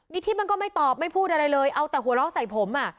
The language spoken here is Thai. ทิศมันก็ไม่ตอบไม่พูดอะไรเลยเอาแต่หัวเราะใส่ผมอ่ะ